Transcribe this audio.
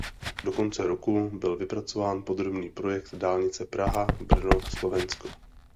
Do konce roku byl vypracován podrobný projekt dálnice Praha–Brno–Slovensko.